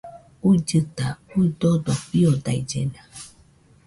Uillɨta, uidodo fiodaillena